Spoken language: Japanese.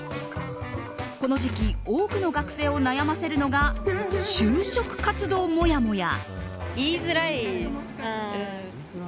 この時期多くの学生を悩ませるのが就職活動もやもや。